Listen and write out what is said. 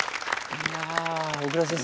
いや小椋先生